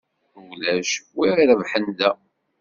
Ulac wi ara irebḥen da.